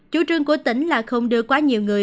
chủ trương của tỉnh là không đưa quá nhiều người